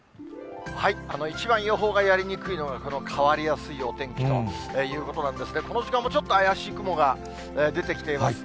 一番予報がやりにくいのが、この変わりやすいお天気ということなんですね、この時間もちょっと怪しい雲が出てきています。